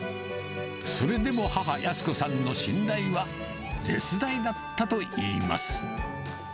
それでも母、靖子さんの信頼は絶大だったといいます。